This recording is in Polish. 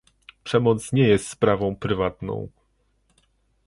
Przemoc nie jest sprawą prywatną